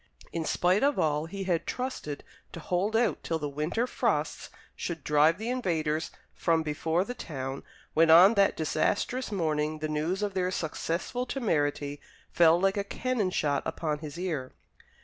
In spite of all, he had trusted to hold out till the winter frosts should drive the invaders from before the town, when on that disastrous morning the news of their successful temerity fell like a cannon shot upon his ear.